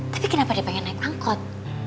tapi kenapa dia pengen naik angkot